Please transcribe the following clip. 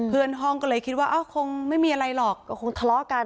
เพื่อนห้องก็เลยคิดว่าคงไม่มีอะไรหรอกก็คงทะเลาะกัน